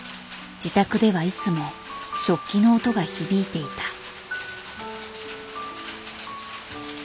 自宅ではいつも織機の音が響いていた。